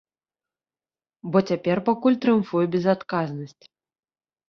Бо цяпер пакуль трыумфуе безадказнасць.